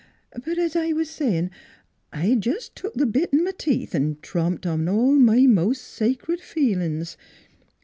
.. But, es I was sayin', I jes' took th' bit in m' teeth an' tromped on all my mos' sacred feelin's.